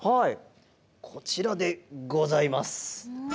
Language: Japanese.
こちらでございます。